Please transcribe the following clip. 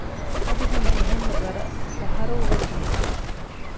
އަދި ހަމަ އެހެންމެ ވަރަށް ސަހަރޯވެރި ބޭފުޅެއް